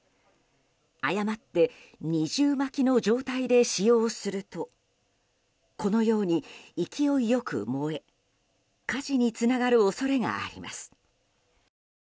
誤って二重巻きの状態で使用するとこのように勢い良く燃え火事につながる恐れがあります。